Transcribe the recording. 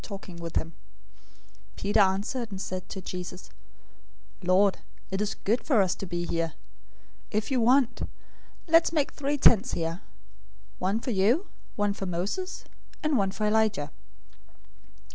017:004 Peter answered, and said to Jesus, "Lord, it is good for us to be here. If you want, let's make three tents here: one for you, one for Moses, and one for Elijah."